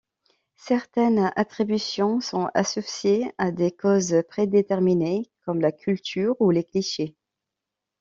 Certaines attributions sont associées à des causes prédéterminées comme la culture ou les clichés.